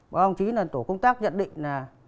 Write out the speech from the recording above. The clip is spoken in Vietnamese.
và ông chí là tổ công tác nhận định là